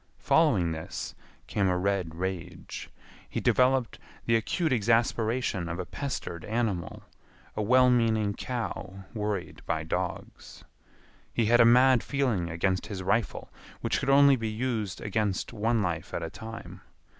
Following this came a red rage. He developed the acute exasperation of a pestered animal, a well meaning cow worried by dogs. He had a mad feeling against his rifle, which could only be used against one life at a time.